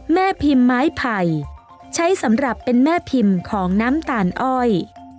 แม่พิมพ์ไม้ไผ่ใช้สำหรับเป็นแม่พิมพ์ของน้ำตาลอ้อย